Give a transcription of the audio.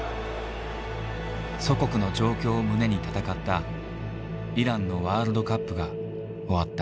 祖国の状況を胸に戦ったイランのワールドカップが終わった。